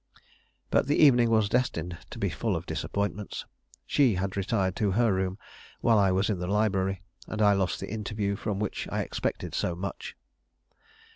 But the evening was destined to be full of disappointments. She had retired to her room while I was in the library, and I lost the interview from which I expected so much.